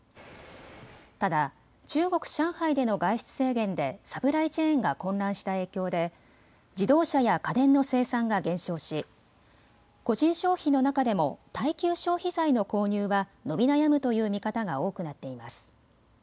ただ中国・上海での外出制限でサプライチェーンが混乱した影響で自動車や家電の生産が減少し個人消費の中でも耐久消費財の購入は伸び悩むという見方が多くなっています。